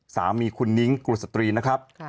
สามีคุณนิ้งกุศตรีนะครับ